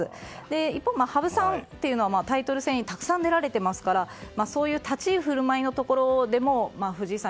一方、羽生さんというのはタイトル戦にたくさん出られていますからそういう立ち振る舞いのところでも藤井さん